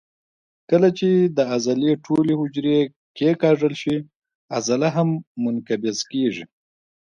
کله چې د عضلې ټولې حجرې کیکاږل شي عضله هم منقبض کېږي.